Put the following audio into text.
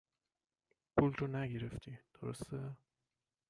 پول رو نگرفتی ، درسته؟